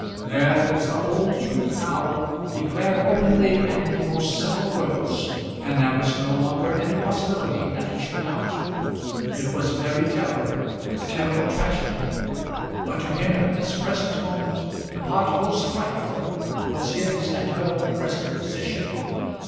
There was the whole truth now, declared openly and in the most simple words, and there was no longer any possibility that he should doubt. It was very terrible, a terrible tragedy. But to him at this present moment the part most frightful was his and her present position.